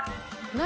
何？